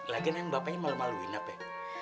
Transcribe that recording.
lagian yang bapaknya malu maluin apa ya